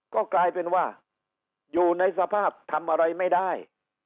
ก็กลายเป็นว่าอยู่ในสภาพทำอะไรไม่ได้